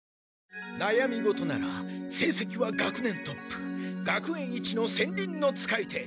なやみごとならせいせきは学年トップ学園一の戦輪の使い手